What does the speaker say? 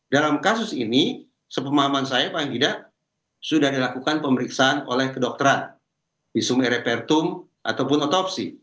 dalam kasus ini sepemahaman saya paling tidak sudah dilakukan pemeriksaan oleh kedokteran visum erepertum ataupun otopsi